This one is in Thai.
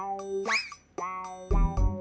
อืม